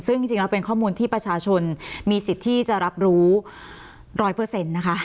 ซึ่งจริงแล้วเป็นข้อมูลที่ประชาชนมีสิทธิจะรับรู้๑๐๐นะคะ